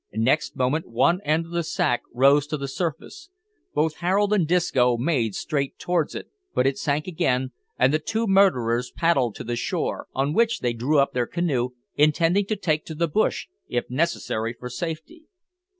Next moment one end of the sack rose to the surface. Both Harold and Disco made straight towards it, but it sank again, and the two murderers paddled to the shore, on which they drew up their canoe, intending to take to the bush, if necessary, for safety.